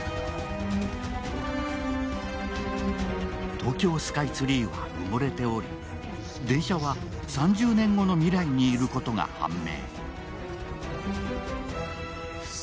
東京スカイツリーは埋もれており、電車は３０年後の未来にいることが判明。